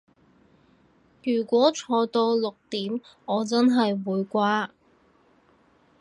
如果坐到六點我真係會瓜